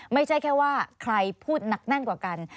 ไม่ใช่แค่ว่าใครพูดหนักแน่นกว่ากัน